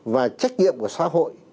và trách nhiệm của xã hội